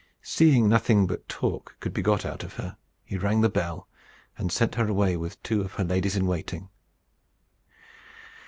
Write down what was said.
Seeing nothing but talk could be got out of her, he rang the bell, and sent her away with two of her ladies in waiting.